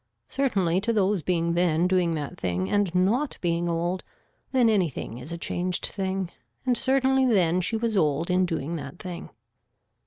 Certainly to those being then doing that thing and not being old then anything is a changed thing and certainly then she was old in doing that thing.